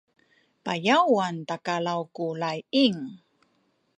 payawan talakaw ku laying